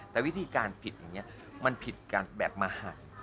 แต่วิธีการผิดอย่างนี้มันผิดการแบบมหัด